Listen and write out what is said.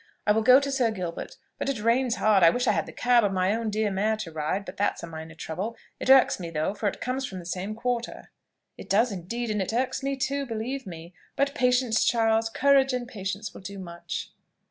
I will go to Sir Gilbert; but it rains hard I wish I had the cab, or my own dear mare to ride. But that's a minor trouble; it irks me though, for it comes from the same quarter." "It does indeed; and it irks me too, believe me. But patience, Charles! courage and patience will do much."